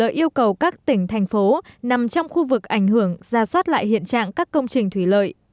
sự cố nằm trong khu vực ảnh hưởng ra soát lại hiện trạng các công trình thủy lợi